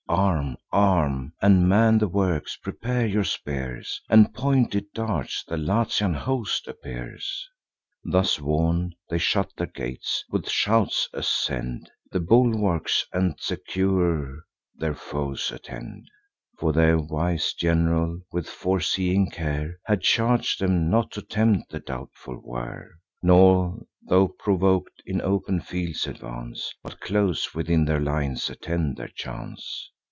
Arm! arm! and man the works! prepare your spears And pointed darts! the Latian host appears." Thus warn'd, they shut their gates; with shouts ascend The bulwarks, and, secure, their foes attend: For their wise gen'ral, with foreseeing care, Had charg'd them not to tempt the doubtful war, Nor, tho' provok'd, in open fields advance, But close within their lines attend their chance.